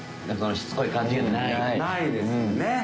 ないですね。